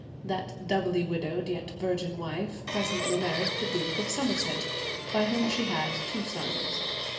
That doubly widowed yet virgin wife presently married the Duke of Somerset, by whom she had two sons.